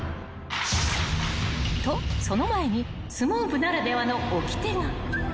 ［とその前に相撲部ならではのおきてが］